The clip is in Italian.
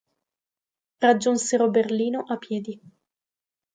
Raggiunsero Berlino a piedi.